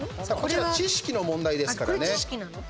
知識の問題ですからね。